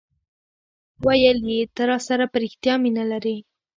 ویل یي ته راسره په ریښتیا مینه لرې